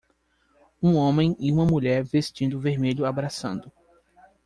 Um homem e uma mulher vestindo vermelho abraçando.